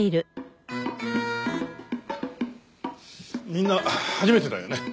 みんな初めてだよね。